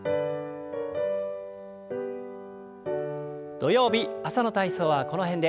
土曜日朝の体操はこの辺で。